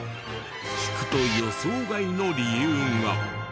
聞くと予想外の理由が。